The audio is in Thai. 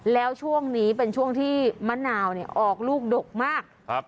แล้วช่วงนี้เป็นช่วงที่มะนาวเนี่ยออกลูกดกมากครับ